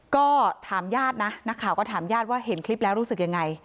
ก็ถามญาตินะนักข่าวก็ถามญาติว่าเห็นคลิปแล้วรู้สึกยังไง